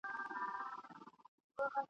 په هوا مو کشپان نه وه لیدلي !.